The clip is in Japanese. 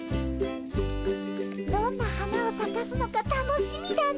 どんな花をさかすのか楽しみだね。